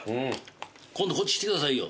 今度こっち来てくださいよ。